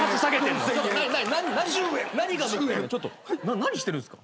何してるんすか？